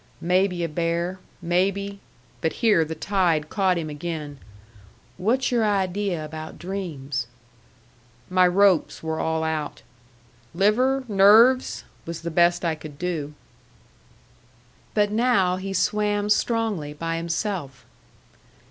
"Maybe a bear. Maybe " but here the tide caught him again "What's your idea about dreams?" My ropes were all out. "Liver nerves," was the best I could do. But now he swam strongly by himself.